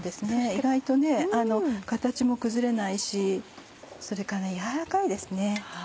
意外と形も崩れないしそれからやわらかいですね。